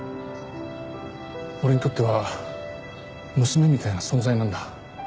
俺にとっては娘みたいな存在なんだ。